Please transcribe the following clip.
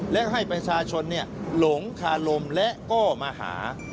และให้ประชาชนหลงคารมและก็มาหา